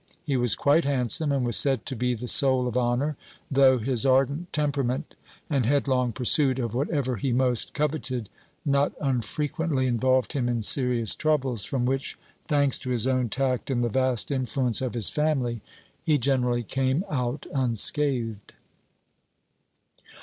He was quite handsome and was said to be the soul of honor, though his ardent temperament and headlong pursuit of whatever he most coveted not unfrequently involved him in serious troubles, from which, thanks to his own tact and the vast influence of his family, he generally came out unscathed.